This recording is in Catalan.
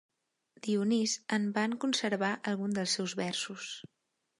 Dionís en van conservar alguns dels seus versos.